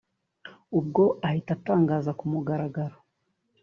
ubwo ahita atangaza ku mugaragaro